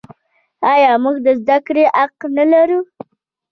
آیا موږ د زده کړې حق نلرو؟